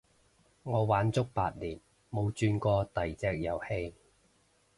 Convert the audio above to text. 我玩足八年冇轉過第隻遊戲